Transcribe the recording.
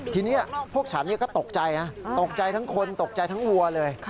ทีนี้พวกฉันก็ตกใจนะตกใจทั้งคนตกใจทั้งวัวเลย